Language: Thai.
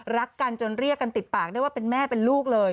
รักกันจนเรียกกันติดปากได้ว่าเป็นแม่เป็นลูกเลย